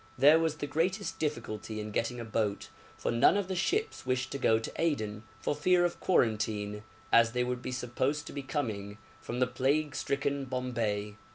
There was the greatest difficulty in getting a boat, for none of the ships wished to go to Aden, for fear of quarantine, as they would be supposed to be coming from the plague stricken Bombay.